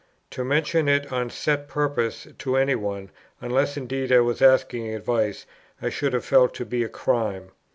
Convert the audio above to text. To mention it on set purpose to any one, unless indeed I was asking advice, I should have felt to be a crime.